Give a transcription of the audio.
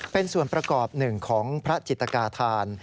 เป็นส่วนประกอบหนึ่งของพระจิตกาธาน